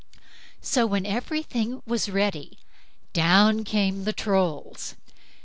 So, when everything was ready, down came the Trolls.